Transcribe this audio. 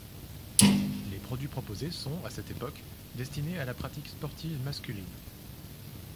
Les produits proposés sont, à cette époque, destinés à la pratique sportive masculine.